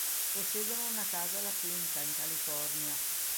Possiedono una casa a La Quinta, in California.